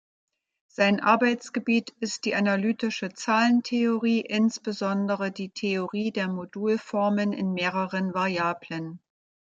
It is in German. Sein Arbeitsgebiet ist die analytische Zahlentheorie, insbesondere die Theorie der Modulformen in mehreren Variablen.